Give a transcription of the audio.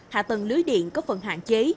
hạ tầng lưới điện có phần hạn chế